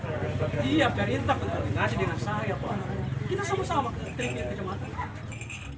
iya biar intak nanti dengan saya pak kita sama sama kecamatan